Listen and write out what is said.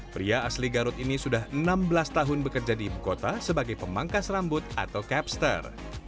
pria asli garut ini sudah enam belas tahun bekerja di ibu kota sebagai pemangkas rambut atau capster